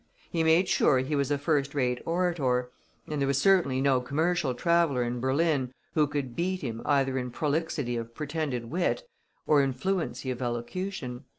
He made sure he was a first rate orator, and there was certainly no commercial traveller in Berlin who could beat him either in prolixity of pretended wit, or in fluency of elocution.